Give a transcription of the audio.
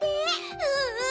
うんうん！